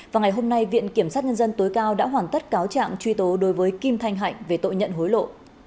và ngày hôm nay viện kiểm sát nhân dân tối cao đã hoàn tất cáo trạng truy tố đối với kim thanh hạnh về tội nhận hối lộ